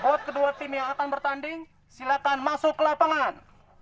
pot kedua tim yang akan bertanding silahkan masuk ke lapangan